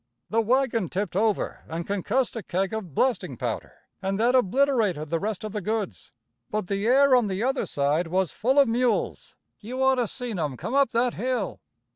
The wagon tipped over and concussed a keg of blasting powder, and that obliterated the rest of the goods. "But the air on the other side was full of mules. You ought to seen 'em come up that hill!